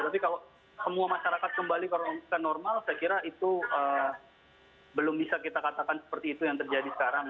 tapi kalau semua masyarakat kembali ke normal saya kira itu belum bisa kita katakan seperti itu yang terjadi sekarang